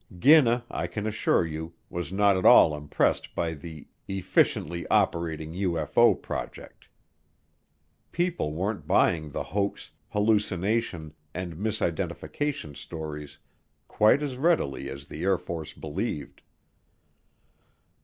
Ginna, I can assure you, was not at all impressed by the "efficiently operating UFO project." People weren't buying the hoax, hallucination, and misidentification stories quite as readily as the Air Force believed.